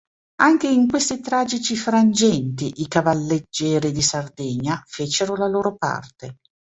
Anche in questi tragici frangenti i Cavalleggeri di Sardegna fecero la loro parte.